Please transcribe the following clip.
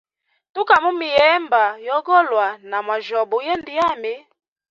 Tuka mumihemba yogolwa na mwajyobe uyende yami.